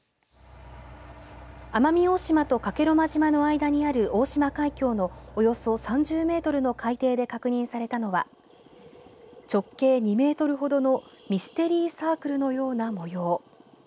奄美大島と加計呂麻島の間にある大島海峡のおよそ３０メートルの海底で確認されたのは直径２メートルほどのミステリーサークルのような模様。